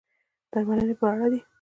درملنې په اړه دي.